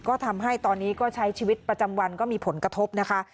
ก็ทำให้ตอนนี้ก็ใช้ชีวิตประจำวันก็มีผลกระทบนะคะ